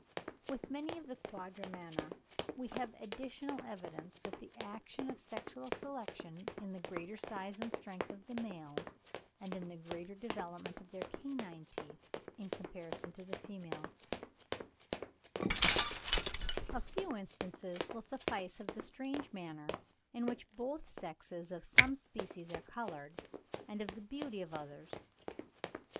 With many of the Quadrumana, we have additional evidence of the action of sexual selection in the greater size and strength of the males, and in the greater development of their canine teeth, in comparison with the females. [Fig. 77. Cercopithecus petaurista (from Brehm).] A few instances will suffice of the strange manner in which both sexes of some species are coloured, and of the beauty of others.